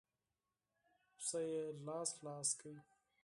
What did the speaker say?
پسه يې لاس لاس کړ.